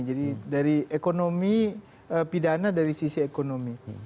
jadi dari ekonomi pidana dari sisi ekonomi